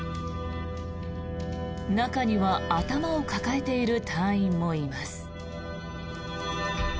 中には頭を抱えている隊員もいます。